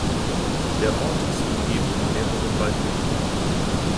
Der Ort ist umgeben von mehreren Waldgebieten.